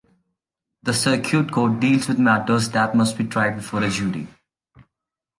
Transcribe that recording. The Circuit Court deals with matters that must be tried before a jury.